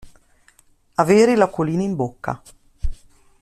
Avere l'acquolina in bocca.